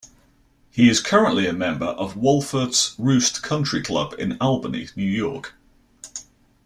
He is currently a member of Wolferts Roost Country Club in Albany, New York.